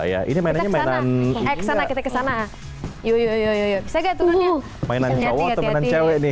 ya ini mainannya mainan eh sana kita kesana yoyoyo bisa gak turun ya mainan cowok atau mainan cewek nih